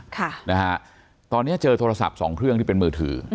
ค่ะนะฮะตอนนี้เจอโทรศัพท์สองเครื่องที่เป็นมือถือ